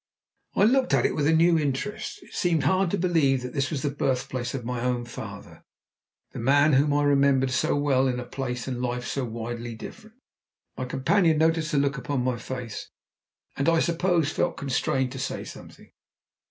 I looked at it with a new interest. It seemed hard to believe that this was the birthplace of my own father, the man whom I remembered so well in a place and life so widely different. My companion noticed the look upon my face, and, I suppose, felt constrained to say something.